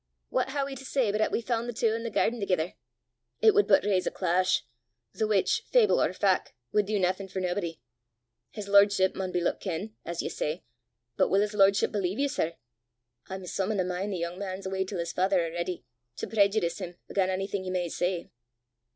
What hae we to say but 'at we faund the twa i' the gairden thegither! It wud but raise a clash the which, fable or fac', wud do naething for naebody! His lordship maun be loot ken, as ye say; but wull his lordship believe ye, sir? I'm some i' the min' the yoong man 's awa' til 's faither a'ready, to preejudice him again' onything ye may say."